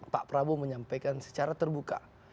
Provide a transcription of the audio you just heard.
pak prabowo menyampaikan secara terbuka